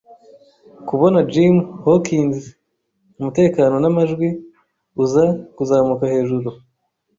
kubona Jim Hawkins, umutekano n'amajwi, uza kuzamuka hejuru